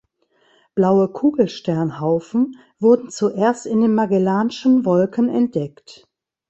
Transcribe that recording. Blaue Kugelsternhaufen wurden zuerst in den Magellanschen Wolken entdeckt.